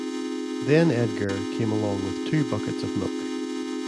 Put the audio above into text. Then Edgar came along with two buckets of milk.